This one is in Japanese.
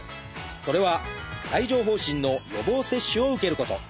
それは帯状疱疹の予防接種を受けること。